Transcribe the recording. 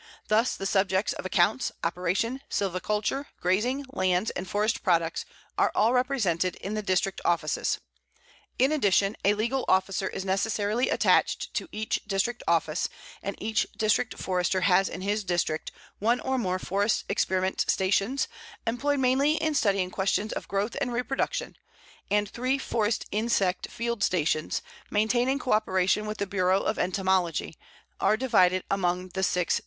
Thus, the subjects of accounts, operation, silviculture, grazing, lands, and forest products are all represented in the District offices. In addition, a legal officer is necessarily attached to each District office, and each District Forester has in his District one or more forest experiment stations, employed mainly in studying questions of growth and reproduction; and three forest insect field stations, maintained in coöperation with the Bureau of Entomology, are divided among the six Districts.